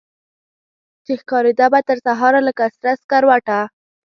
چي ښکاریده به ترسهاره لکه سره سکروټه